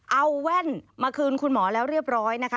เอาแว่นมาคืนคุณหมอแล้วเรียบร้อยนะคะ